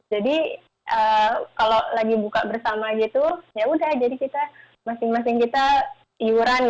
jadi kalau lagi buka bersama gitu ya udah jadi kita masing masing kita iuran gitu